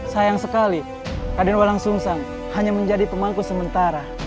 sayang sekali raden walang sungsang hanya menjadi pemangku sementara